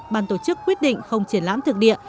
ban tổ chức quyết định không triển lãm thực địa